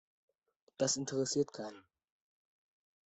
Das interessiert keinen.